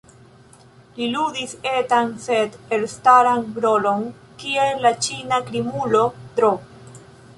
Li ludis etan sed elstaran rolon kiel la Ĉina krimulo Dro.